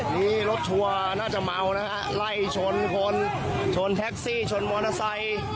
นี่รถทัวร์น่าจะเมานะฮะไล่ชนคนชนแท็กซี่ชนมอเตอร์ไซค์